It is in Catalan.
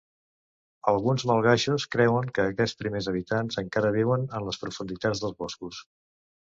Alguns malgaixos creuen que aquests primers habitants encara viuen en les profunditats dels boscos.